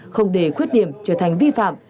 không để khuyết điểm trở thành vi phạm